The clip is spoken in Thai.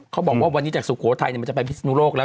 เขาบอกว่าวันนี้จากสุโขทัยมันจะไปพิศนุโลกแล้ว